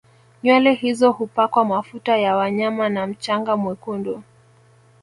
Nywele hizo hupakwa mafuta ya wanyama na mchanga mwekundu